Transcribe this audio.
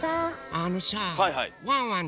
あのさあワンワン